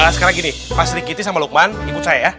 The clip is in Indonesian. sekarang gini mas rikiti sama lukman ibu saya ya